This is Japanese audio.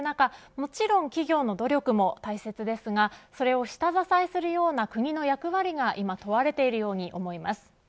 もちろん企業の努力も大切ですがそれを下支えするような国の役割が今問われているように思います。